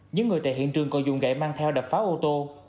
những người tại hiện trường còn dùng gậy mang theo đập phá ô tô